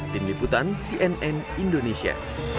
tim liputan cnn indonesia